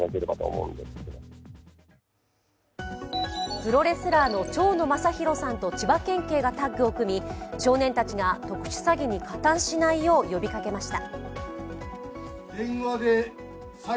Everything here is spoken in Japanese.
プロレスラーの蝶野正洋さんと千葉県警がタッグを組み少年たちが特殊詐欺に加担しないよう呼びかけました。